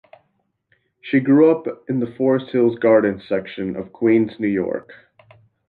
She grew up in the Forest Hills Gardens section of Queens, New York.